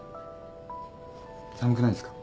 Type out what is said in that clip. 寒くないですか？